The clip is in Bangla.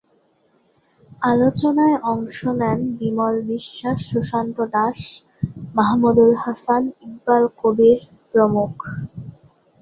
আলোচনায় অংশ নেন বিমল বিশ্বাস, সুশান্ত দাস, মাহমুদুল হাসান, ইকবাল কবির প্রমুখ।